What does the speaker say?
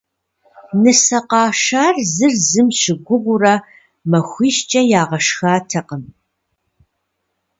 Нысэ къашар зыр зым щыгугъыурэ махуищкӏэ ягъэшхатэкъым.